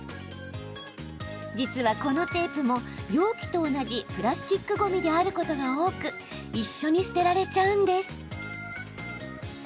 実はこのテープも容器と同じ、プラスチックごみであることが多く一緒に捨てられちゃうんです。